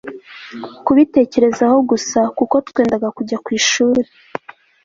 kubitekerezaho gusa kuko tweendaga kujya ku ishuri